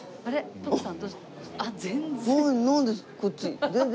徳さん？